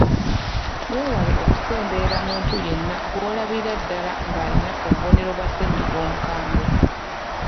Weewale okusemberera muntu yenna gw’olabira ddala ng’alina obubonero bwa ssennyiga omukambwe.